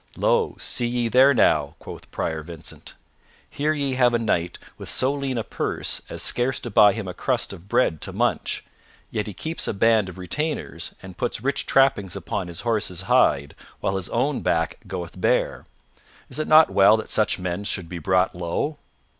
"Lo, see ye there now," quoth Prior Vincent. "Here ye have a knight with so lean a purse as scarce to buy him a crust of bread to munch, yet he keeps a band of retainers and puts rich trappings upon his horse's hide, while his own back goeth bare. Is it not well that such men should be brought low?"